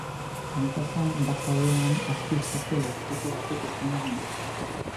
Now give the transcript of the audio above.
Honetaz gain, bart gauean azpi-estazio elektriko batek eztanda egin du.